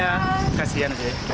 ya kasian sih